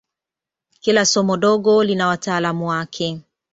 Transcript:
Kila somo dogo lina wataalamu wake.